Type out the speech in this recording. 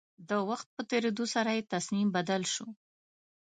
د وخت په تېرېدو سره يې تصميم بدل شو.